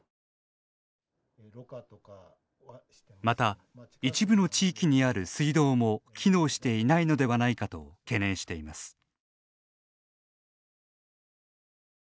また、一部の地域にある水道も機能していないのではないかと懸念しています。